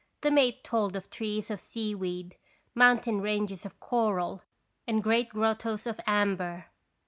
The mate told of trees of seaweed, mountain ranges of coral, and great grottoes of amber.